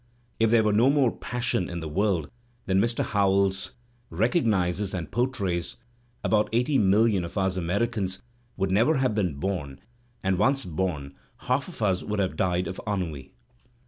If , there were no more passion in the world than Mr. Howells recognizes and portrays, about eighty million of us Ameri p " Qans would never have been bom, and, once bom, half of us woiil djiay^ djfid of ftnniii.